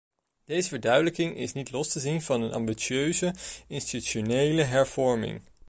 Deze verduidelijking is niet los te zien van een ambitieuze institutionele hervorming.